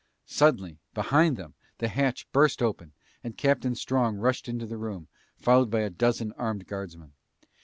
Suddenly, behind them, the hatch burst open and Captain Strong rushed into the room, followed by a dozen armed guardsmen.